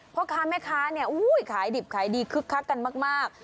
พ่อค้าแม่ค้าเนี่ยขายดิบขายดีคึกคักกันมาก